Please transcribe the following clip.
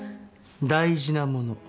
大事なもの。